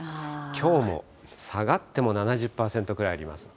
きょうも下がっても７０％くらいあります。